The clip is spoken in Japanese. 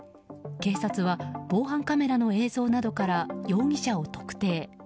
警察は防犯カメラの映像などから容疑者を特定。